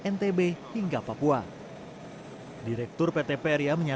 mau pakaian dokternya